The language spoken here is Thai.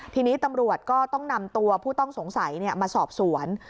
ทีนี้ตำรวจก็ต้องนำตัวผู้ต้องสงสัยมาสอบสวน